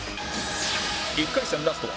１回戦ラストは